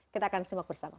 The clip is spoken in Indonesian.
kita akan sembah bersama